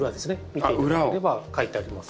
見て頂ければ書いてあります。